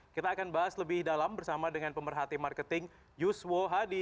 kita akan bahas lebih dalam bersama dengan pemerhati marketing yuswo hadi